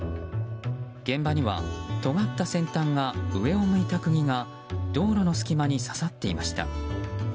現場にはとがった先端が上を向いた釘が道路の隙間に刺さっていました。